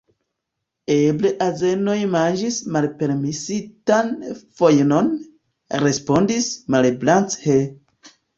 Eble azenoj manĝis malpermesitan fojnon, respondis Malebranche.